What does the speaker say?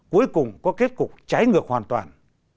cuối cùng có kết cục trái ngược hoàn toàn